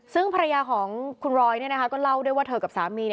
ซึ่งภรรยาของคุณรอยก็เล่าด้วยว่าเธอกับสามี